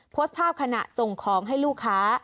โพสต์ภาพขณะส่งของให้ลูกค้า